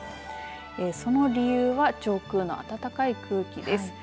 その理由は上空の暖かい空気です。